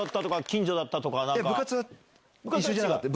部活は一緒じゃなかった。